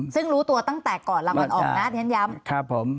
ซึ่งรู้ตัวตั้งแต่ก่อนรางวัลออกนะเท้นย้ำ